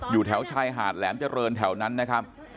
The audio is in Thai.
อยู่แถวชายหาดแหลมเจริญแถวนั้นนะครับ